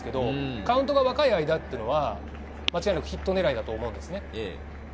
カウントが若い間は間違いなくヒット狙いだと思うんです。